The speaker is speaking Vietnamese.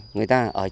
người ta ở chỗ này